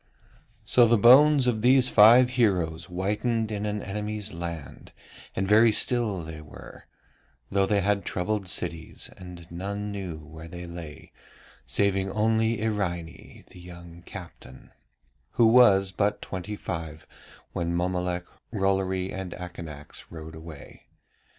So the bones of these five heroes whitened in an enemy's land, and very still they were, though they had troubled cities, and none knew where they lay saving only Iraine, the young captain, who was but twenty five when Mommolek, Rollory, and Akanax rode away.